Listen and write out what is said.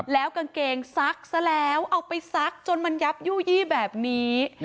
แล้วกางเกงซักซะแล้วเอาไปซักจนมันยับยู่ยี่แบบนี้